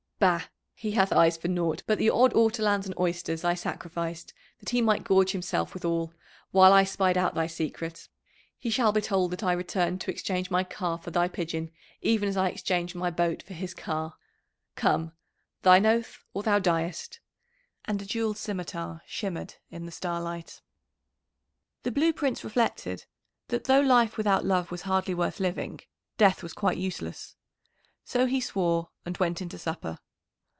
"Bah! he hath eyes for naught but the odd ortolans and oysters I sacrificed that he might gorge himself withal, while I spied out thy secret. He shall be told that I returned to exchange my car for thy pigeon even as I exchanged my boat for his car. Come, thine oath or thou diest." And a jewelled scimitar shimmered in the starlight. [Illustration: "A JEWELLED SCIMITAR SHIMMERED IN THE STARLIGHT."] The Blue Prince reflected that though life without love was hardly worth living, death was quite useless. So he swore and went in to supper.